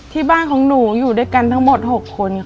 ที่บ้านของหนูอยู่ด้วยกันทั้งหมด๖คนค่ะ